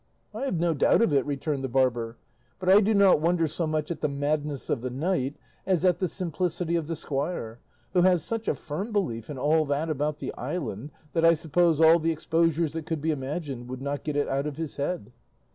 "I have no doubt of it," returned the barber; "but I do not wonder so much at the madness of the knight as at the simplicity of the squire, who has such a firm belief in all that about the island, that I suppose all the exposures that could be imagined would not get it out of his head."